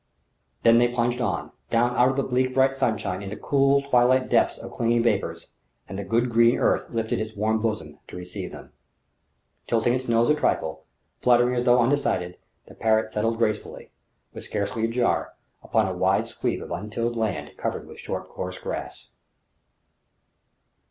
Then they plunged on, down out of the bleak, bright sunshine into cool twilight depths of clinging vapours; and the good green earth lifted its warm bosom to receive them. Tilting its nose a trifle, fluttering as though undecided, the Parrott settled gracefully, with scarcely a Jar, upon a wide sweep of untilled land covered with short coarse grass.